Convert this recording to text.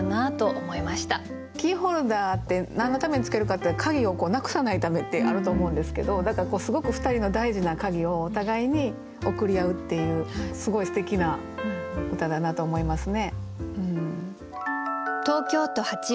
キーホルダーって何のためにつけるかっていったら鍵をなくさないためってあると思うんですけどだからすごく２人の大事な鍵をお互いに贈り合うっていうすごいすてきな歌だなと思いますね。